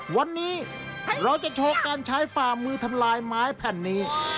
วันนี้เราจะโชว์การใช้ฝ่ามือทำลายไม้แผ่นนี้